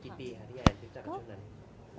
ปีค่ะพี่แอนรู้จักกันชุดนั้น